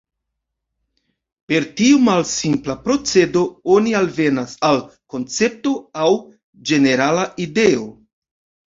Per tiu malsimpla procedo, oni alvenas al koncepto aŭ ĝenerala ideo.